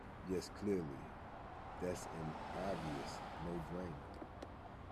Yes, clearly, that's an obvious no-brainer